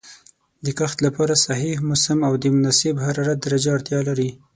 د کښت لپاره صحیح موسم او د مناسب حرارت درجه اړتیا لري.